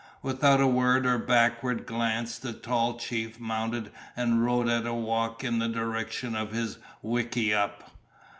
Without a word or a backward glance the tall chief mounted and rode at a walk in the direction of his wickiup.